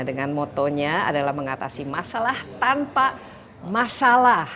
dengan motonya adalah mengatasi masalah tanpa masalah